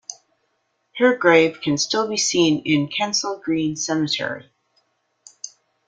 Her grave can still be seen in Kensal Green Cemetery.